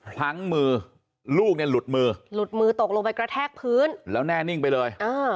พลั้งมือลูกเนี่ยหลุดมือหลุดมือตกลงไปกระแทกพื้นแล้วแน่นิ่งไปเลย